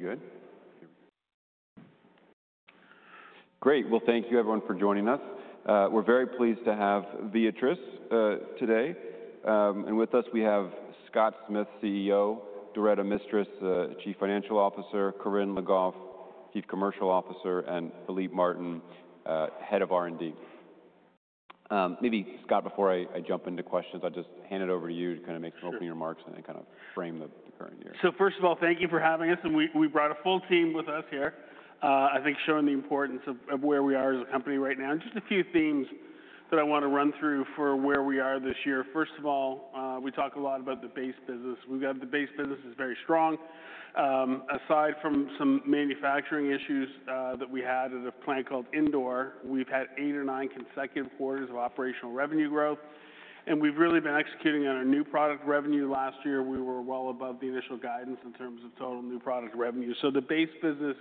Good. Great. Thank you, everyone, for joining us. We're very pleased to have Viatris today. With us, we have Scott Smith, CEO; Doretta Mistras, Chief Financial Officer; Corinne Le Goff, Chief Commercial Officer; and Philippe Martin, Head of R&D. Maybe, Scott, before I jump into questions, I'll just hand it over to you to kind of make some opening remarks and kind of frame the current year. First of all, thank you for having us. We brought a full team with us here, I think, showing the importance of where we are as a company right now. Just a few themes that I want to run through for where we are this year. First of all, we talk a lot about the base business. We've got the base business is very strong. Aside from some manufacturing issues that we had at a plant called Indore, we've had eight or nine consecutive quarters of operational revenue growth. We've really been executing on our new product revenue. Last year, we were well above the initial guidance in terms of total new product revenue. The base business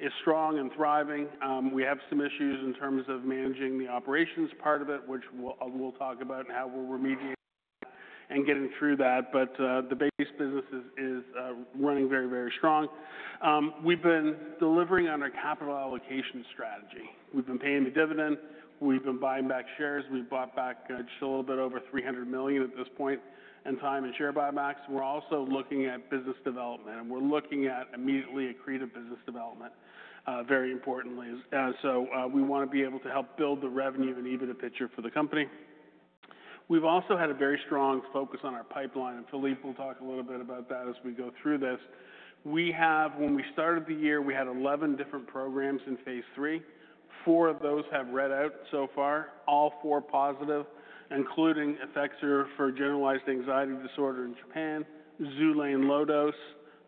is strong and thriving. We have some issues in terms of managing the operations part of it, which we will talk about and how we are remediating that and getting through that. The base business is running very, very strong. We have been delivering on our capital allocation strategy. We have been paying the dividend. We have been buying back shares. We have bought back just a little bit over $300 million at this point in time in share buybacks. We are also looking at business development. We are looking at immediately accretive business development, very importantly. We want to be able to help build the revenue and even an EBITDA picture for the company. We have also had a very strong focus on our pipeline. Philippe will talk a little bit about that as we go through this. When we started the year, we had 11 different programs in phase III. Four of those have read out so far, all four positive, including EFFEXOR for generalized anxiety disorder in Japan, XULANE low dose,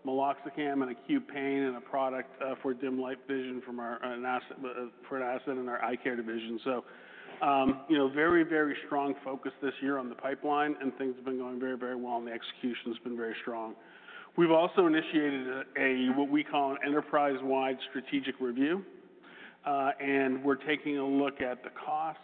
meloxicam, and acute pain, and a product for dim light vision for an asset in our eye care division. Very, very strong focus this year on the pipeline. Things have been going very, very well. The execution has been very strong. We have also initiated what we call an enterprise-wide strategic review. We are taking a look at the cost,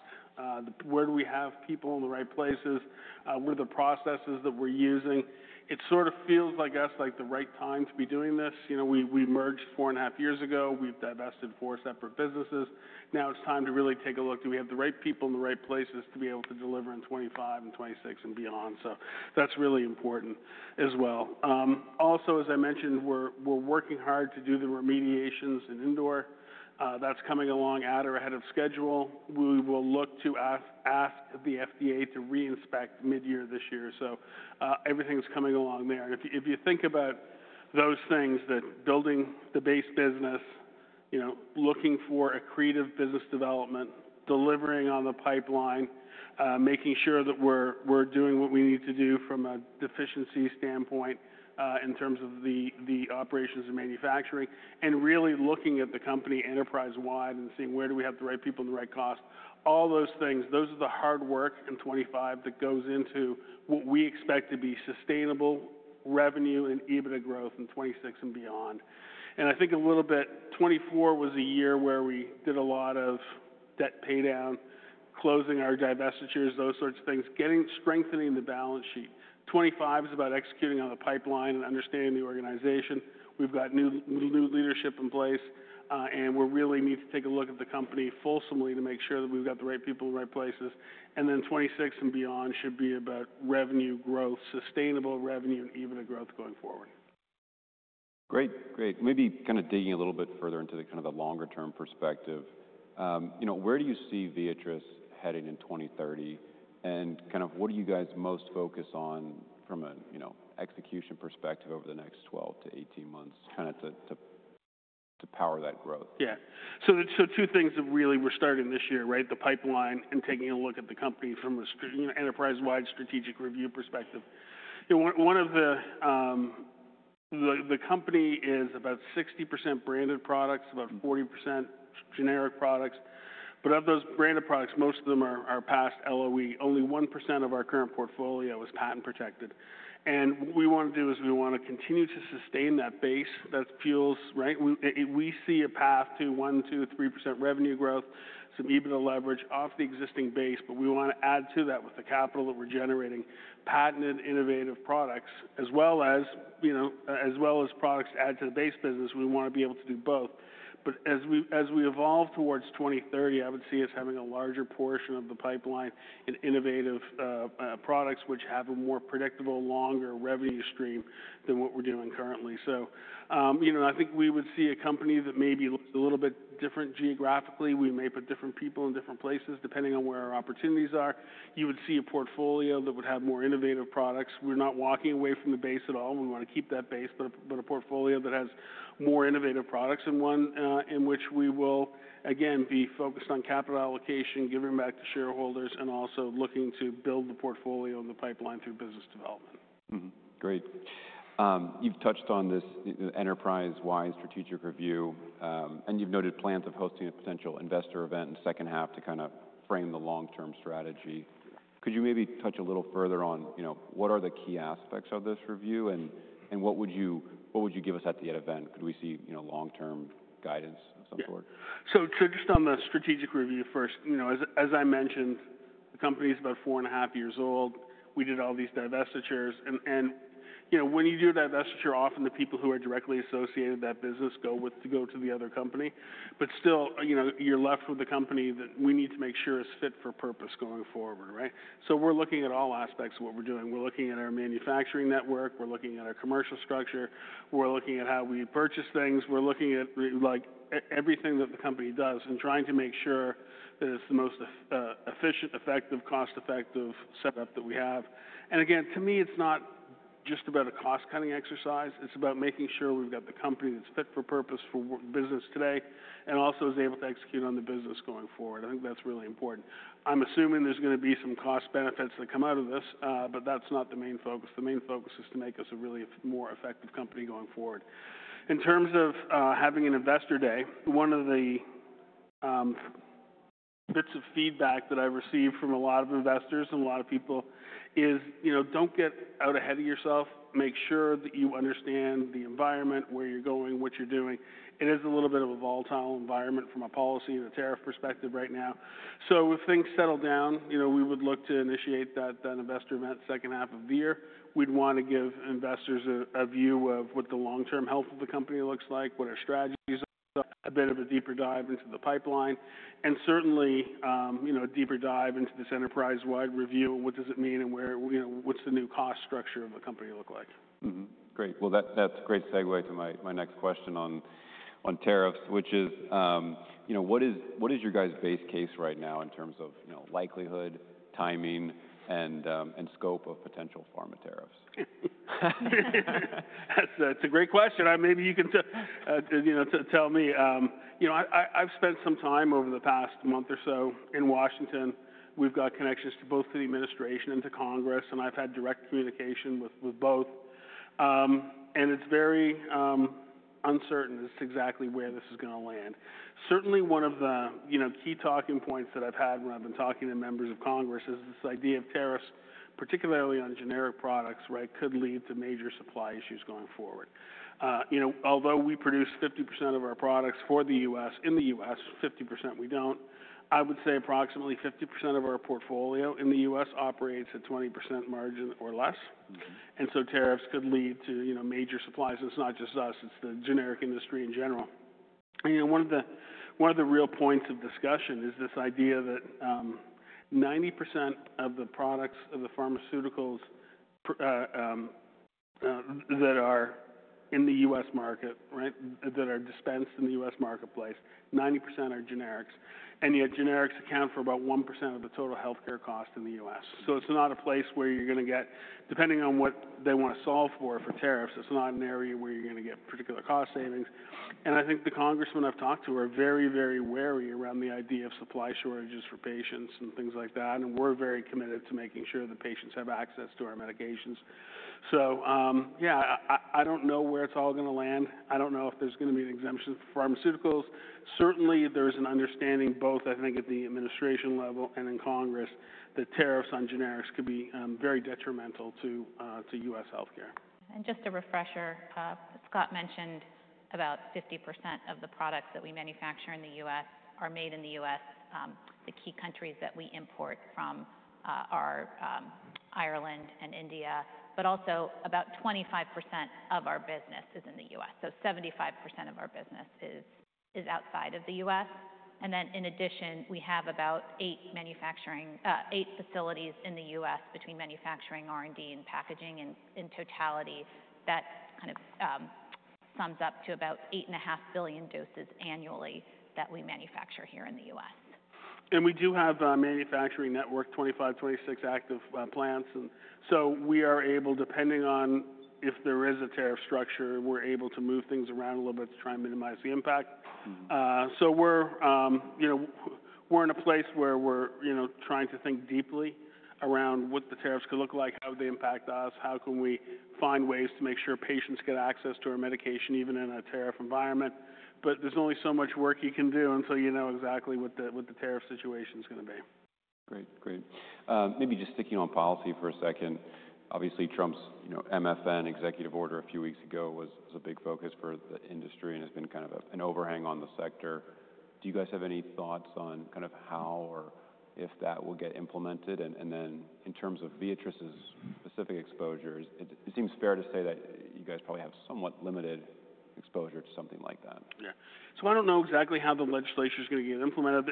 where do we have people in the right places, what are the processes that we are using. It sort of feels to us like the right time to be doing this. We merged four and a half years ago. We have divested four separate businesses. Now it is time to really take a look. Do we have the right people in the right places to be able to deliver in 2025 and 2026 and beyond? That is really important as well. Also, as I mentioned, we are working hard to do the remediations in Indore. That is coming along at or ahead of schedule. We will look to ask the FDA to reinspect mid-year this year. Everything is coming along there. If you think about those things, building the base business, looking for accretive business development, delivering on the pipeline, making sure that we're doing what we need to do from a deficiency standpoint in terms of the operations and manufacturing, and really looking at the company enterprise-wide and seeing where do we have the right people and the right cost, all those things, those are the hard work in 2025 that goes into what we expect to be sustainable revenue and even a growth in 2026 and beyond. I think a little bit, 2024 was a year where we did a lot of debt paydown, closing our divestitures, those sorts of things, getting strengthening the balance sheet. 2025 is about executing on the pipeline and understanding the organization. We've got new leadership in place. We really need to take a look at the company fulsomely to make sure that we've got the right people in the right places. Then 2026 and beyond should be about revenue growth, sustainable revenue, and even a growth going forward. Great. Great. Maybe kind of digging a little bit further into the kind of the longer-term perspective, where do you see Viatris heading in 2030? What are you guys most focused on from an execution perspective over the next 12 months-18 months kind of to power that growth? Yeah. Two things that really we're starting this year, right, the pipeline and taking a look at the company from an enterprise-wide strategic review perspective. One of the company is about 60% branded products, about 40% generic products. Of those branded products, most of them are past LOE. Only 1% of our current portfolio is patent-protected. What we want to do is we want to continue to sustain that base that feels, right, we see a path to 1%-3% revenue growth, some EBITDA leverage off the existing base. We want to add to that with the capital that we're generating, patented innovative products, as well as products that add to the base business. We want to be able to do both. As we evolve towards 2030, I would see us having a larger portion of the pipeline in innovative products, which have a more predictable, longer revenue stream than what we're doing currently. I think we would see a company that maybe looks a little bit different geographically. We may put different people in different places depending on where our opportunities are. You would see a portfolio that would have more innovative products. We're not walking away from the base at all. We want to keep that base, but a portfolio that has more innovative products in one in which we will, again, be focused on capital allocation, giving back to shareholders, and also looking to build the portfolio and the pipeline through business development. Great. You've touched on this enterprise-wide strategic review. You have noted plans of hosting a potential investor event in the second half to kind of frame the long-term strategy. Could you maybe touch a little further on what are the key aspects of this review? What would you give us at the event? Could we see long-term guidance of some sort? Just on the strategic review first, as I mentioned, the company is about four and a half years old. We did all these divestitures. When you do a divestiture, often the people who are directly associated with that business go to the other company. Still, you're left with the company that we need to make sure is fit for purpose going forward, right? We're looking at all aspects of what we're doing. We're looking at our manufacturing network. We're looking at our commercial structure. We're looking at how we purchase things. We're looking at everything that the company does and trying to make sure that it's the most efficient, effective, cost-effective setup that we have. Again, to me, it's not just about a cost-cutting exercise. It's about making sure we've got the company that's fit for purpose for business today and also is able to execute on the business going forward. I think that's really important. I'm assuming there's going to be some cost benefits that come out of this, but that's not the main focus. The main focus is to make us a really more effective company going forward. In terms of having an investor day, one of the bits of feedback that I've received from a lot of investors and a lot of people is, "Don't get out ahead of yourself. Make sure that you understand the environment, where you're going, what you're doing." It is a little bit of a volatile environment from a policy and a tariff perspective right now. If things settle down, we would look to initiate that investor event second half of the year. We'd want to give investors a view of what the long-term health of the company looks like, what our strategies are, a bit of a deeper dive into the pipeline, and certainly a deeper dive into this enterprise-wide review, what does it mean and what's the new cost structure of the company look like? Great. That's a great segue to my next question on tariffs, which is, what is your guys' base case right now in terms of likelihood, timing, and scope of potential pharma tariffs? That's a great question. Maybe you can tell me. I've spent some time over the past month or so in Washington. We've got connections to both the administration and to Congress. I've had direct communication with both. It's very uncertain as to exactly where this is going to land. Certainly, one of the key talking points that I've had when I've been talking to members of Congress is this idea of tariffs, particularly on generic products, right, could lead to major supply issues going forward. Although we produce 50% of our products for the U.S. in the U.S., 50% we don't, I would say approximately 50% of our portfolio in the U.S. operates at 20% margin or less. Tariffs could lead to major supplies. It's not just us. It's the generic industry in general. One of the real points of discussion is this idea that 90% of the products of the pharmaceuticals that are in the U.S. market, right, that are dispensed in the U.S. marketplace, 90% are generics. Yet generics account for about 1% of the total healthcare cost in the U.S. It is not a place where you're going to get, depending on what they want to solve for for tariffs, it is not an area where you're going to get particular cost savings. I think the congressmen I've talked to are very, very wary around the idea of supply shortages for patients and things like that. We're very committed to making sure that patients have access to our medications. Yeah, I don't know where it's all going to land. I don't know if there's going to be an exemption for pharmaceuticals. Certainly, there's an understanding both, I think, at the administration level and in Congress, that tariffs on generics could be very detrimental to U.S. healthcare. Just a refresher, Scott mentioned about 50% of the products that we manufacture in the U.S. are made in the U.S. The key countries that we import from are Ireland and India, but also about 25% of our business is in the U.S. 75% of our business is outside of the U.S. In addition, we have about eight facilities in the U.S. between manufacturing, R&D, and packaging in totality that kind of sums up to about 8.5 billion doses annually that we manufacture here in the U.S. We do have a manufacturing network, 25, 26 active plants. We are able, depending on if there is a tariff structure, to move things around a little bit to try and minimize the impact. We are in a place where we are trying to think deeply around what the tariffs could look like, how they would impact us, how we can find ways to make sure patients get access to our medication even in a tariff environment. There is only so much work you can do until you know exactly what the tariff situation is going to be. Great. Great. Maybe just sticking on policy for a second. Obviously, Trump's MFN executive order a few weeks ago was a big focus for the industry and has been kind of an overhang on the sector. Do you guys have any thoughts on kind of how or if that will get implemented? Then in terms of Viatris's specific exposures, it seems fair to say that you guys probably have somewhat limited exposure to something like that. Yeah. So I don't know exactly how the legislature is going to get implemented.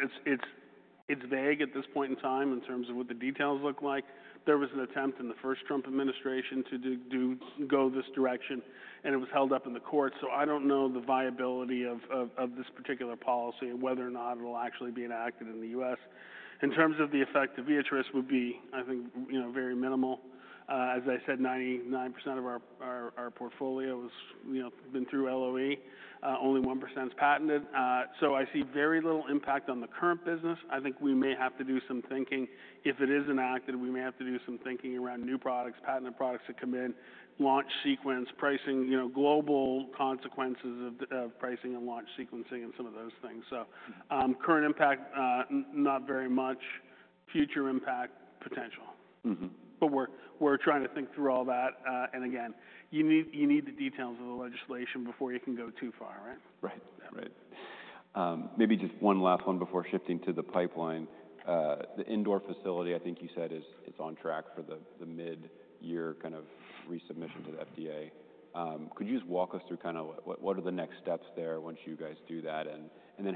It's vague at this point in time in terms of what the details look like. There was an attempt in the first Trump administration to go this direction. It was held up in the courts. I don't know the viability of this particular policy and whether or not it'll actually be enacted in the U.S. In terms of the effect, the Viatris would be, I think, very minimal. As I said, 99% of our portfolio has been through LOE. Only 1% is patented. I see very little impact on the current business. I think we may have to do some thinking. If it is enacted, we may have to do some thinking around new products, patented products that come in, launch sequence, pricing, global consequences of pricing and launch sequencing and some of those things. Current impact, not very much. Future impact, potential. We are trying to think through all that. Again, you need the details of the legislation before you can go too far, right? Right. Right. Maybe just one last one before shifting to the pipeline. The Indore facility, I think you said it's on track for the mid-year kind of resubmission to the FDA. Could you just walk us through kind of what are the next steps there once you guys do that?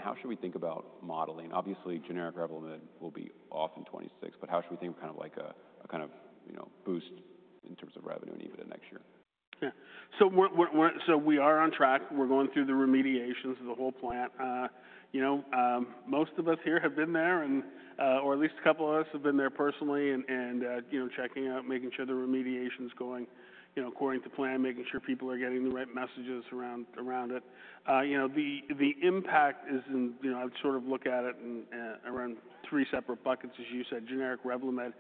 How should we think about modeling? Obviously, generic revenue will be off in 2026, but how should we think of kind of like a kind of boost in terms of revenue and even in next year? Yeah. We are on track. We're going through the remediations of the whole plant. Most of us here have been there, or at least a couple of us have been there personally and checking out, making sure the remediation is going according to plan, making sure people are getting the right messages around it. The impact is in, I'd sort of look at it around three separate buckets, as you said, generic revenue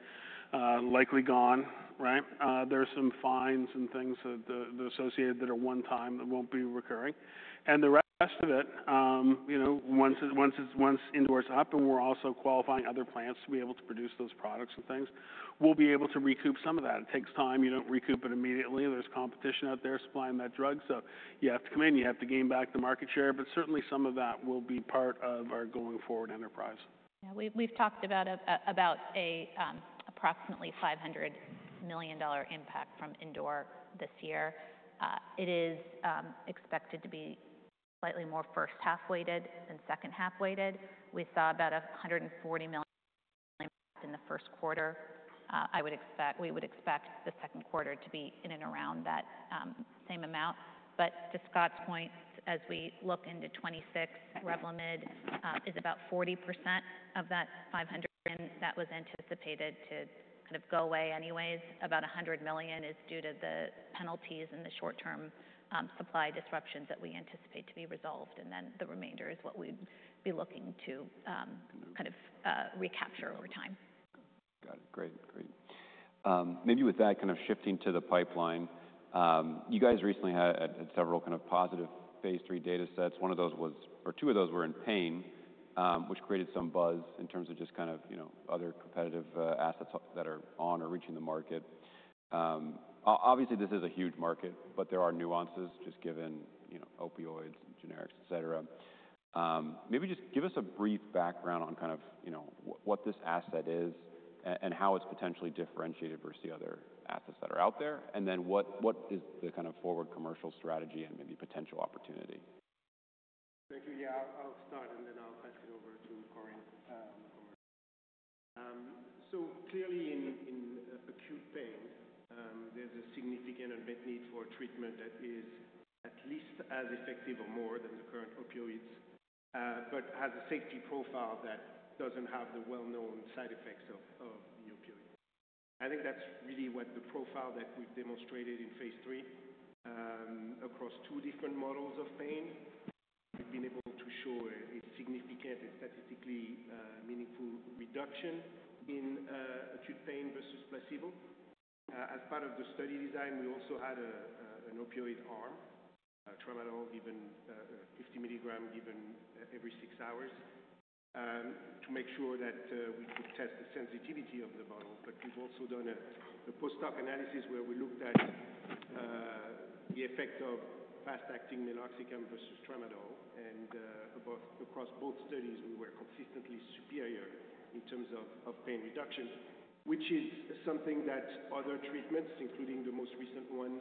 likely gone, right? There are some fines and things associated that are one-time that won't be recurring. The rest of it, once Indore's up and we're also qualifying other plants to be able to produce those products and things, we'll be able to recoup some of that. It takes time. You don't recoup it immediately. There's competition out there supplying that drug. You have to come in. You have to gain back the market share. Certainly, some of that will be part of our going forward enterprise. Yeah. We've talked about an approximately $500 million impact from Indore this year. It is expected to be slightly more first-half weighted than second-half weighted. We saw about $140 million in the 1st quarter. We would expect the 2nd quarter to be in and around that same amount. To Scott's point, as we look into 2026, [rev on end] is about 40% of that $500 million that was anticipated to kind of go away anyways. About $100 million is due to the penalties and the short-term supply disruptions that we anticipate to be resolved. The remainder is what we'd be looking to kind of recapture over time. Got it. Great. Great. Maybe with that, kind of shifting to the pipeline, you guys recently had several kind of positive phase III data sets. One of those was, or two of those were in pain, which created some buzz in terms of just kind of other competitive assets that are on or reaching the market. Obviously, this is a huge market, but there are nuances just given opioids, generics, etc. Maybe just give us a brief background on kind of what this asset is and how it's potentially differentiated versus the other assets that are out there. Then what is the kind of forward commercial strategy and maybe potential opportunity? Thank you. Yeah, I'll start and then I'll pass it over to Corinne. Clearly, in acute pain, there's a significant unmet need for treatment that is at least as effective or more than the current opioids, but has a safety profile that does not have the well-known side effects of the opioids. I think that's really what the profile that we've demonstrated in phase III across two different models of pain. We've been able to show a significant and statistically meaningful reduction in acute pain versus placebo. As part of the study design, we also had an opioid arm, tramadol given 50 mg given every six hours to make sure that we could test the sensitivity of the model. We've also done a post-hoc analysis where we looked at the effect of fast-acting meloxicam versus tramadol. Across both studies, we were consistently superior in terms of pain reduction, which is something that other treatments, including the most recent ones,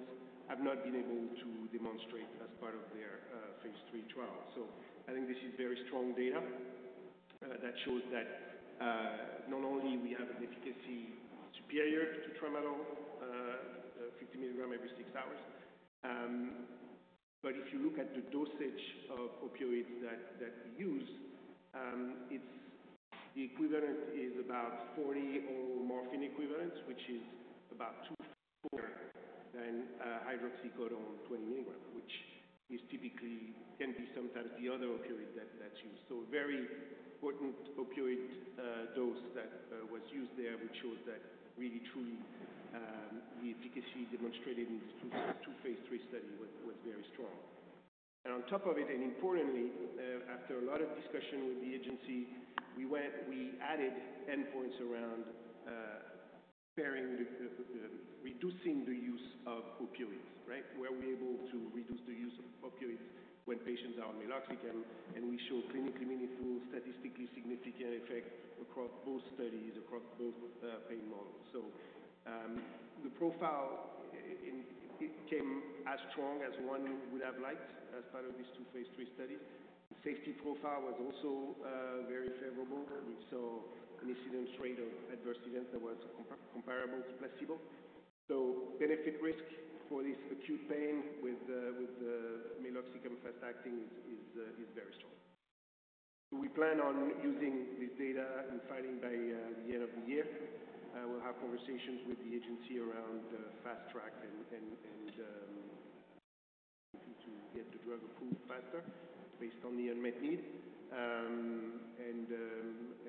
have not been able to demonstrate as part of their phase III trial. I think this is very strong data that shows that not only do we have an efficacy superior to tramadol, 50 mg every six hours, but if you look at the dosage of opioids that we use, the equivalent is about 40 mg or more morphine equivalents, which is about 2x higher than hydrocodone 20 mg, which can be sometimes the other opioid that's used. A very important opioid dose was used there, which shows that really, truly, the efficacy demonstrated in this two phase III study was very strong. On top of it, and importantly, after a lot of discussion with the agency, we added endpoints around reducing the use of opioids, right? Were we able to reduce the use of opioids when patients are on meloxicam? We show clinically meaningful, statistically significant effect across both studies, across both pain models. The profile came as strong as one would have liked as part of these two phase III studies. The safety profile was also very favorable. We saw an incidence rate of adverse events that was comparable to placebo. Benefit-risk for this acute pain with meloxicam fast-acting is very strong. We plan on using this data and filing by the end of the year. We will have conversations with the agency around fast track and to get the drug approved faster based on the unmet need.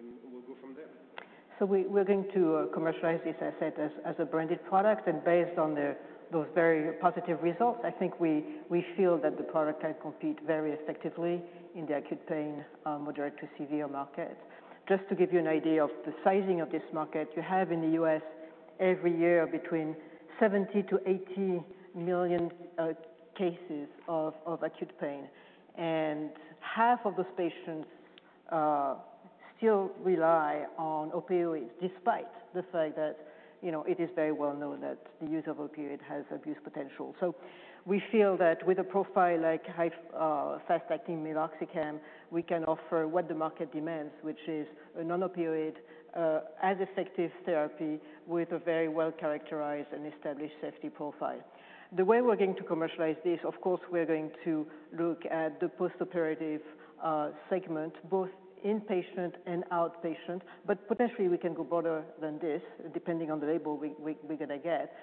We will go from there. We're going to commercialize this, as I said, as a branded product. Based on those very positive results, I think we feel that the product can compete very effectively in the acute pain moderate to severe market. Just to give you an idea of the sizing of this market, you have in the U.S. every year between 70 million-80 million cases of acute pain. Half of those patients still rely on opioids despite the fact that it is very well known that the use of opioid has abuse potential. We feel that with a profile like fast-acting meloxicam, we can offer what the market demands, which is a non-opioid, as effective therapy with a very well-characterized and established safety profile. The way we're going to commercialize this, of course, we're going to look at the post-operative segment, both inpatient and outpatient. Potentially, we can go broader than this, depending on the label we're going to get.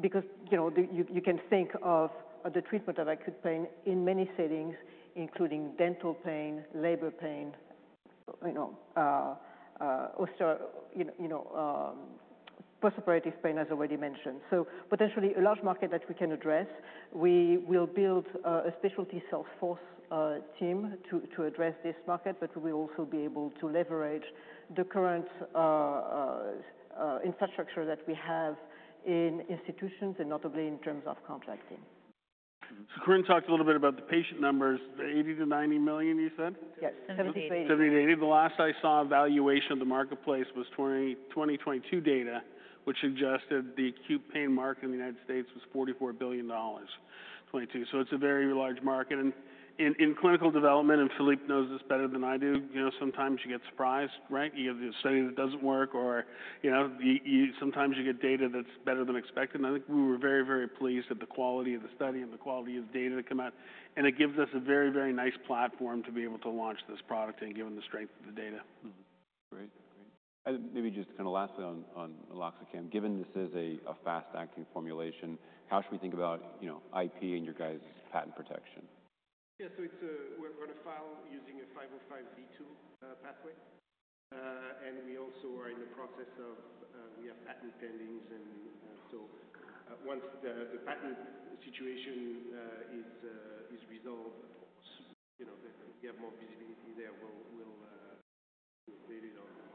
Because you can think of the treatment of acute pain in many settings, including dental pain, labor pain, post-operative pain, as already mentioned. Potentially, a large market that we can address. We will build a specialty sales force team to address this market, but we will also be able to leverage the current infrastructure that we have in institutions and notably in terms of contracting. Corinne talked a little bit about the patient numbers. 80 million-90 million, you said? Yes. 70 million-80 million. 70 million-80 million. The last I saw valuation of the marketplace was 2022 data, which suggested the acute pain market in the United States was $44 billion. It is a very large market. In clinical development, and Philippe knows this better than I do, sometimes you get surprised, right? You have the study that does not work, or sometimes you get data that is better than expected. I think we were very, very pleased at the quality of the study and the quality of the data that came out. It gives us a very, very nice platform to be able to launch this product given the strength of the data. Great. Great. Maybe just kind of lastly on meloxicam, given this is a fast-acting formulation, how should we think about IP and your guys' patent protection? Yeah. We're going to file using a 505(b)(2) pathway. We also are in the process of, we have patent pendings. Once the patent situation is resolved, we have more visibility there. We'll put it on the agency. Yeah. Great. Great.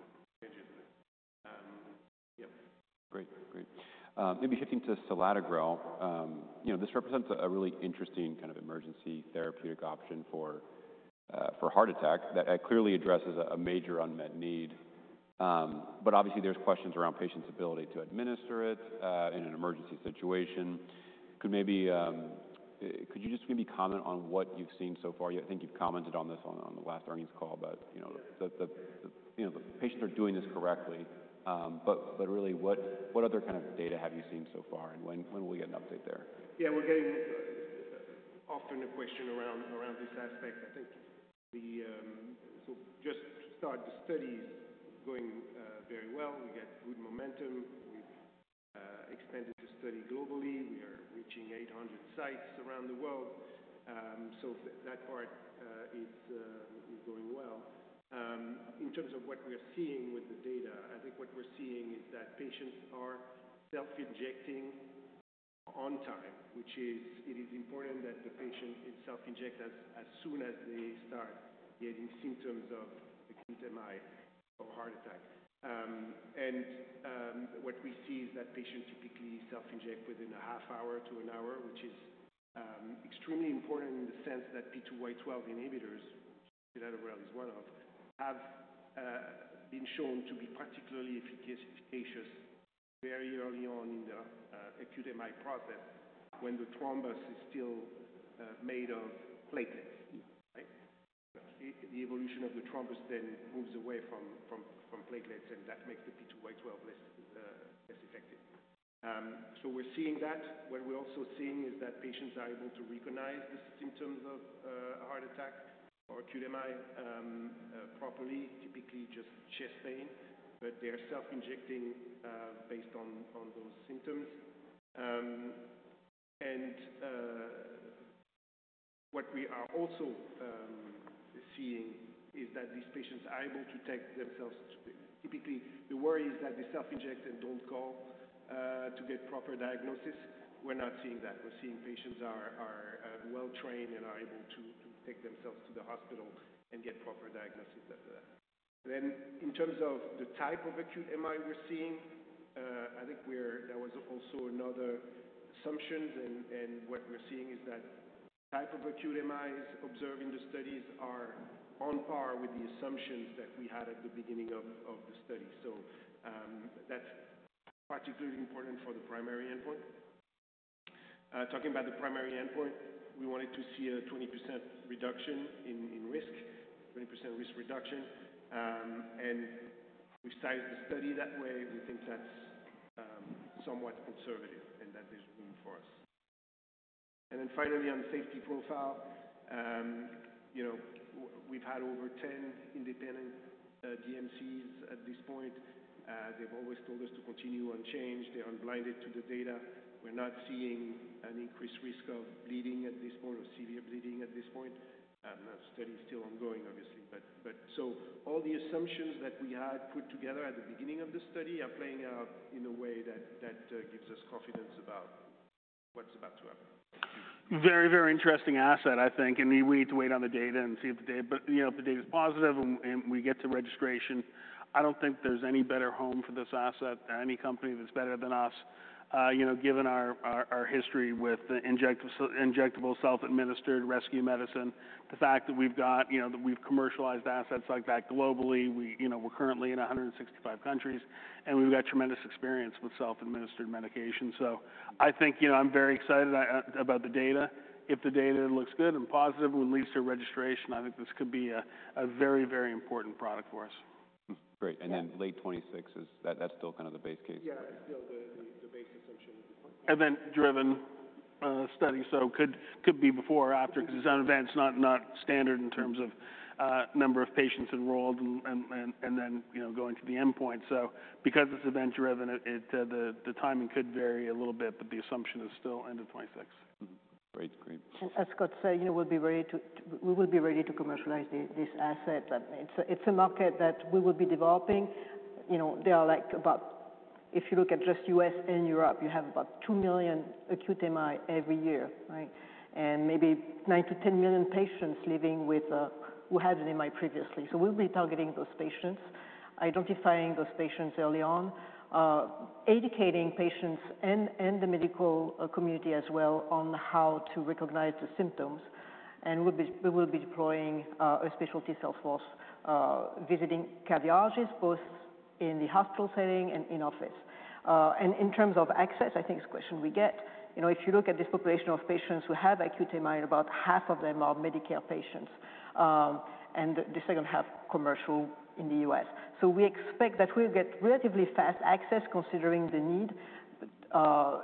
Maybe shifting to Selatogrel. This represents a really interesting kind of emergency therapeutic option for heart attack that clearly addresses a major unmet need. Obviously, there are questions around patients' ability to administer it in an emergency situation. Could you just maybe comment on what you've seen so far? I think you've commented on this on the last earnings call, but the patients are doing this correctly. What other kind of data have you seen so far? When will we get an update there? Yeah. We're getting often a question around this aspect. I think the so just started the studies going very well. We get good momentum. We've expanded the study globally. We are reaching 800 sites around the world. That part is going well. In terms of what we are seeing with the data, I think what we're seeing is that patients are self-injecting on time, which is it is important that the patient is self-inject as soon as they start getting symptoms of acute MI or heart attack. What we see is that patients typically self-inject within a half hour to an hour, which is extremely important in the sense that P2Y12 inhibitors, which Selatogrel is one of, have been shown to be particularly efficacious very early on in the acute MI process when the thrombus is still made of platelets, right? The evolution of the thrombus then moves away from platelets, and that makes the P2Y12 less effective. So we're seeing that. What we're also seeing is that patients are able to recognize the symptoms of heart attack or acute MI properly, typically just chest pain, but they're self-injecting based on those symptoms. What we are also seeing is that these patients are able to take themselves to typically, the worry is that they self-inject and don't call to get proper diagnosis. We're not seeing that. We're seeing patients are well-trained and are able to take themselves to the hospital and get proper diagnosis. In terms of the type of acute MI we're seeing, I think there was also another assumption. What we're seeing is that the type of acute MIs observed in the studies are on par with the assumptions that we had at the beginning of the study. That is particularly important for the primary endpoint. Talking about the primary endpoint, we wanted to see a 20% reduction in risk, 20% risk reduction. We have sized the study that way. We think that is somewhat conservative and that there is room for us. Finally, on the safety profile, we have had over 10 independent DMCs at this point. They have always told us to continue unchanged. They are unblinded to the data. We are not seeing an increased risk of bleeding at this point or severe bleeding at this point. The study is still ongoing, obviously. All the assumptions that we had put together at the beginning of the study are playing out in a way that gives us confidence about what's about to happen. Very, very interesting asset, I think. We need to wait on the data and see if the data, but if the data is positive and we get to registration, I do not think there is any better home for this asset than any company that is better than us, given our history with injectable self-administered rescue medicine, the fact that we have commercialized assets like that globally. We are currently in 165 countries, and we have tremendous experience with self-administered medication. I think I am very excited about the data. If the data looks good and positive and leads to registration, I think this could be a very, very important product for us. Great. And then late 2026, is that still kind of the base case? Yeah, that's still the base assumption. It is an event-driven study. It could be before or after because it is not a standard in terms of number of patients enrolled and then going to the endpoint. Because it is event-driven, the timing could vary a little bit, but the assumption is still end of 2026. Great. Great. As Scott said, we will be ready to commercialize this asset. It's a market that we will be developing. There are like about, if you look at just U.S. and Europe, you have about 2 million acute MI every year, right? And maybe 9 million-10 million patients living with who had an MI previously. We will be targeting those patients, identifying those patients early on, educating patients and the medical community as well on how to recognize the symptoms. We will be deploying a specialty sales force visiting cardiologists, both in the hospital setting and in office. In terms of access, I think it's a question we get. If you look at this population of patients who have acute MI, about half of them are Medicare patients, and the second half commercial in the U.S. We expect that we'll get relatively fast access considering the need.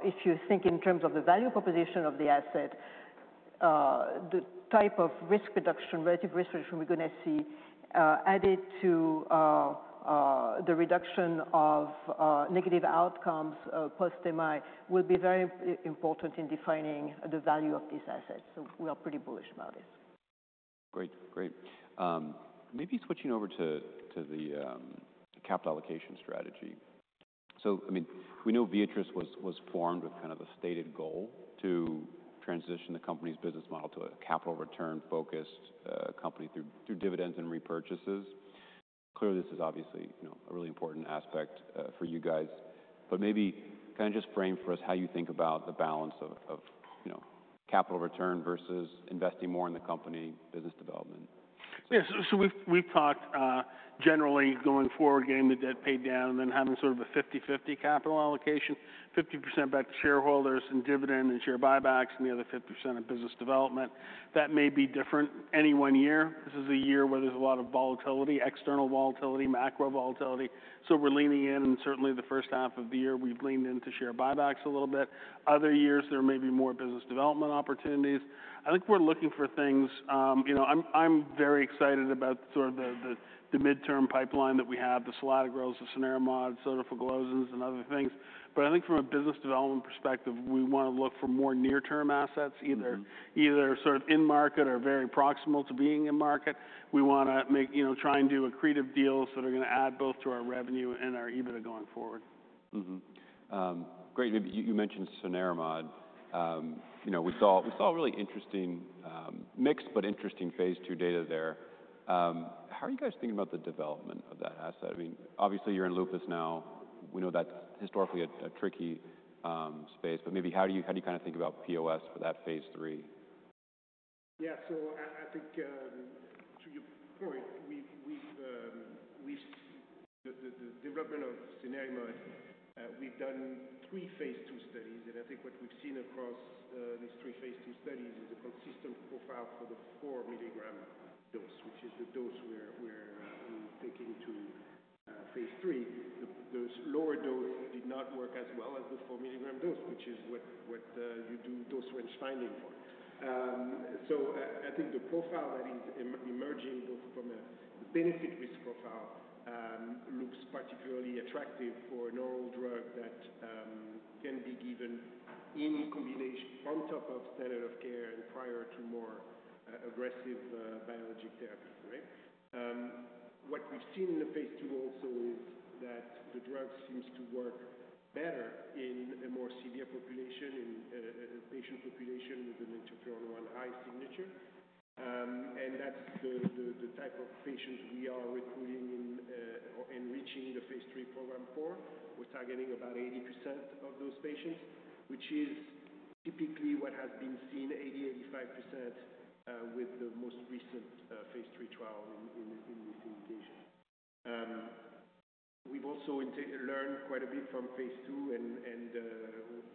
If you think in terms of the value proposition of the asset, the type of risk reduction, relative risk reduction we're going to see added to the reduction of negative outcomes post-MI will be very important in defining the value of this asset. We are pretty bullish about this. Great. Great. Maybe switching over to the capital allocation strategy. I mean, we know Viatris was formed with kind of a stated goal to transition the company's business model to a capital return-focused company through dividends and repurchases. Clearly, this is obviously a really important aspect for you guys. Maybe kind of just frame for us how you think about the balance of capital return versus investing more in the company, business development. Yeah. We have talked generally going forward, getting the debt paid down, and then having sort of a 50/50 capital allocation, 50% back to shareholders in dividend and share buybacks, and the other 50% to business development. That may be different any one year. This is a year where there is a lot of volatility, external volatility, macro volatility. We are leaning in, and certainly the first half of the year, we have leaned into share buybacks a little bit. Other years, there may be more business development opportunities. I think we are looking for things I am very excited about, sort of the midterm pipeline that we have, the selatogrel, the cenerimod, sotagliflozin, and other things. I think from a business development perspective, we want to look for more near-term assets, either sort of in market or very proximal to being in market. We want to try and do accretive deals that are going to add both to our revenue and our EBITDA going forward. Great. You mentioned cenerimod. We saw really interesting, mixed but interesting phase II data there. How are you guys thinking about the development of that asset? I mean, obviously, you're in lupus now. We know that's historically a tricky space. Maybe how do you kind of think about POS for that phase III? Yeah. So I think to your point, the development of cenerimod, we've done three phase II studies. And I think what we've seen across these three phase II studies is a consistent profile for the 4 mg dose, which is the dose we're taking to phase III. The lower dose did not work as well as the 4 mg dose, which is what you do dose range finding for. So I think the profile that is emerging, both from a benefit risk profile, looks particularly attractive for an oral drug that can be given in combination on top of standard of care and prior to more aggressive biologic therapy, right? What we've seen in the phase II also is that the drug seems to work better in a more severe population, in a patient population with an interferon-1 high signature. That's the type of patients we are recruiting or enriching the phase III program for. We're targeting about 80% of those patients, which is typically what has been seen, 80%-85% with the most recent phase III trial in this indication. We've also learned quite a bit from phase II and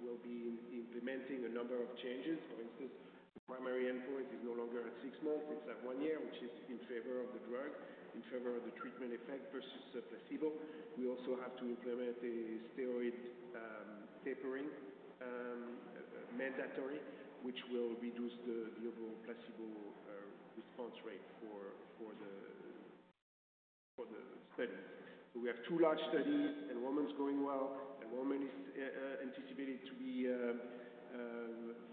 will be implementing a number of changes. For instance, the primary endpoint is no longer at six months. It's at one year, which is in favor of the drug, in favor of the treatment effect versus placebo. We also have to implement a steroid tapering mandatory, which will reduce the global placebo response rate for the studies. We have two large studies and one is going well. One is anticipated to be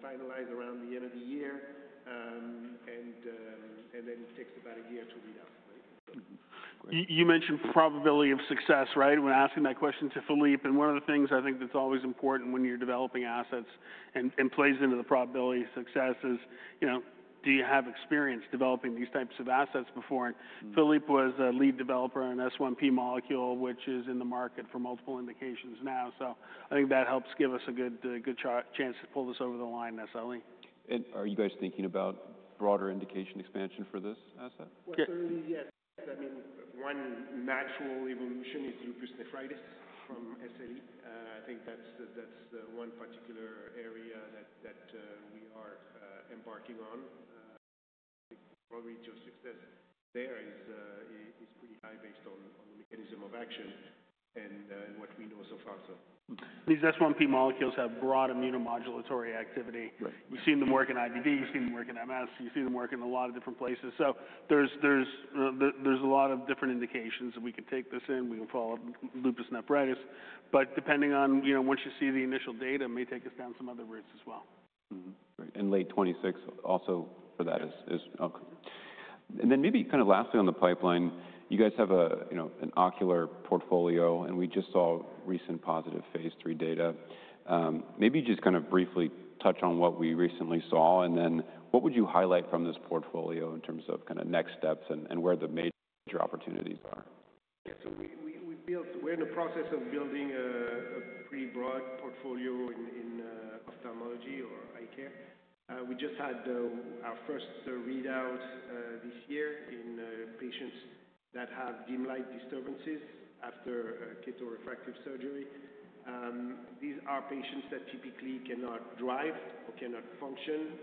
finalized around the end of the year. It takes about a year to read out, right? You mentioned probability of success, right? When asking that question to Philippe. One of the things I think that's always important when you're developing assets and plays into the probability of success is, do you have experience developing these types of assets before? Philippe was a lead developer on S1P molecule, which is in the market for multiple indications now. I think that helps give us a good chance to pull this over the line, necessarily. Are you guys thinking about broader indication expansion for this asset? Yes. I mean, one natural evolution is lupus nephritis from SLE. I think that's one particular area that we are embarking on. The probability of success there is pretty high based on the mechanism of action and what we know so far, so. These S1P molecules have broad immunomodulatory activity. We've seen them work in IBD. We've seen them work in MS. You see them work in a lot of different places. There are a lot of different indications that we can take this in. We can follow up lupus nephritis. Depending on once you see the initial data, it may take us down some other routes as well. Great. Late 2026 also for that is okay. Maybe kind of lastly on the pipeline, you guys have an ocular portfolio, and we just saw recent positive phase III data. Maybe just kind of briefly touch on what we recently saw. What would you highlight from this portfolio in terms of kind of next steps and where the major opportunities are? Yeah. We are in the process of building a pretty broad portfolio in ophthalmology or eye care. We just had our first readout this year in patients that have dim light vision disturbances after keratorefractive surgery. These are patients that typically cannot drive or cannot function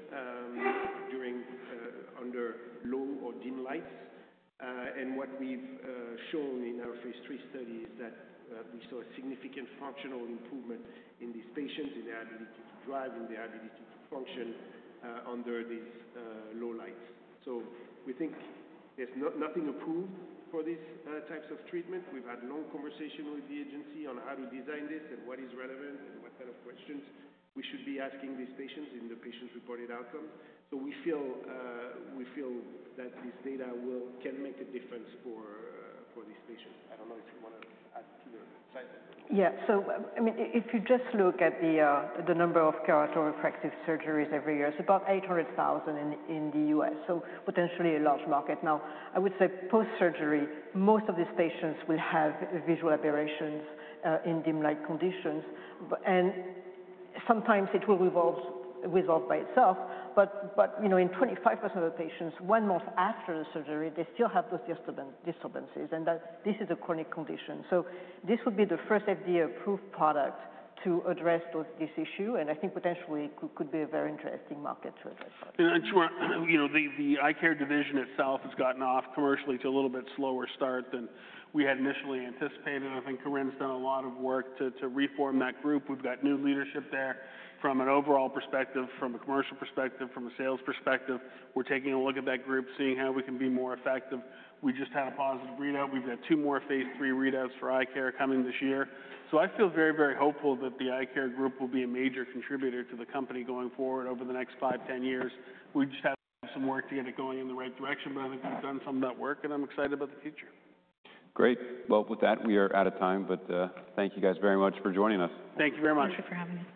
under low or dim lights. What we have shown in our phase III study is that we saw a significant functional improvement in these patients, in their ability to drive, in their ability to function under these low lights. We think there is nothing approved for these types of treatment. We have had long conversation with the agency on how to design this and what is relevant and what kind of questions we should be asking these patients in the patient-reported outcome. We feel that this data can make a difference for these patients. I don't know if you want to add to the. Yeah. So I mean, if you just look at the number of keratorefractive surgeries every year, it is about 800,000 in the U.S. So potentially a large market. Now, I would say post-surgery, most of these patients will have visual aberrations in dim light conditions. And sometimes it will resolve by itself. In 25% of the patients, one month after the surgery, they still have those disturbances. This is a chronic condition. This would be the first FDA-approved product to address this issue. I think potentially it could be a very interesting market to address. I'm sure the eye care division itself has gotten off commercially to a little bit slower start than we had initially anticipated. I think Corinne's done a lot of work to reform that group. We've got new leadership there from an overall perspective, from a commercial perspective, from a sales perspective. We're taking a look at that group, seeing how we can be more effective. We just had a positive readout. We've got two more phase III readouts for eye care coming this year. I feel very, very hopeful that the eye care group will be a major contributor to the company going forward over the next five years, 10 years. We just have some work to get it going in the right direction, but I think we've done some of that work, and I'm excited about the future. Great. With that, we are out of time. Thank you guys very much for joining us. Thank you very much. Thank you for having us.